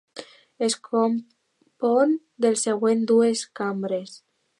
Es compon dels següents dues cambres.